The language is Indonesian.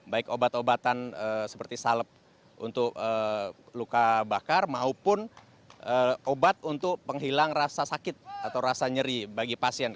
baik obat obatan seperti salep untuk luka bakar maupun obat untuk penghilang rasa sakit atau rasa nyeri bagi pasien